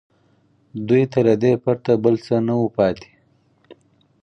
دوی ته له دې پرته بل څه نه وو پاتې